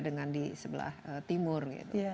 dengan di sebelah timur